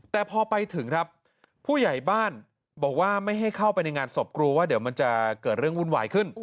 แต่พอไปถึงครับผู้ใหญ่บ้านบอกว่าไม่ให้เข้าไปในงานศพกลัวว่าเดี๋ยวมันจะเกิดเรื่องวุ่นวายขึ้น